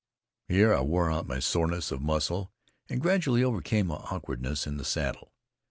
Here I wore out my soreness of muscle, and gradually overcame my awkwardness in the saddle.